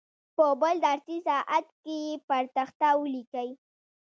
په بل درسي ساعت کې یې پر تخته ولیکئ.